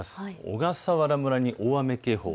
小笠原村に大雨警報。